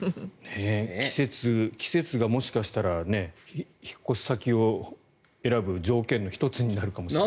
季節がもしかしたら引っ越し先を選ぶ条件の１つになるかもしれない。